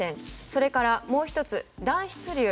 それからもう１つ、暖湿流。